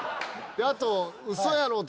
あと。